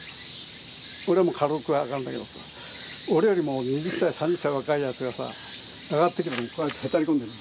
俺はもう軽く上がるんだけどさ俺よりも２０歳３０歳若いやつがさ上がってきてこうやってへたり込んでる。